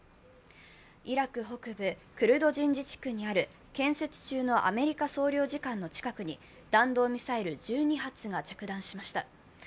イラク北部クルド人自治区にある建設中のアメリカ総領事館の近くに弾道ミサイル１２発が着弾しました。